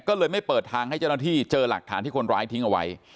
ก็เลยไม่เปิดทางให้เจ้าหน้าที่เจอหลักฐานที่คนร้ายทิ้งเอาไว้